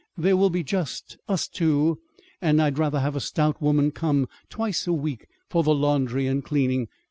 There will be just us two, and I'd rather have a stout woman come twice a week for the laundry and cleaning.